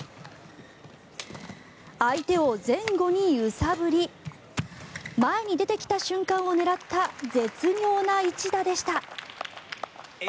相手を前後に揺さぶり前に出てきた瞬間を狙った絶妙な一打でした。